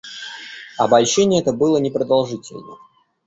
Обольщение это было непродолжительно.